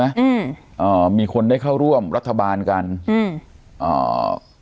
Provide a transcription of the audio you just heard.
อืมอ่ามีคนได้เข้าร่วมรัฐบาลกันอืมอ่า